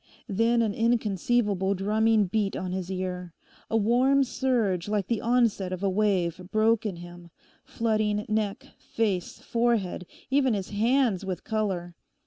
Then an inconceivable drumming beat on his ear. A warm surge, like the onset of a wave, broke in him, flooding neck, face, forehead, even his hands with colour.